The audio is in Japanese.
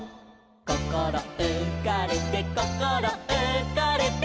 「こころうかれてこころうかれて」